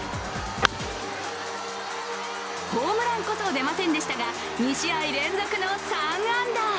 ホームランこそ出ませんでしたが２試合連続の３安打。